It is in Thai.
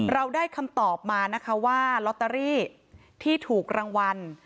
เราได้คำตอบมานะคะว่าลอตเตอรี่ที่ถูกรางวัล